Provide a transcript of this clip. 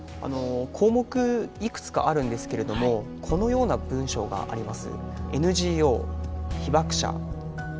項目いくつかあるんですけれどもこのような文章があります。